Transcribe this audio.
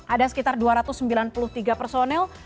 ada sekitar dua ratus sembilan puluh tiga personel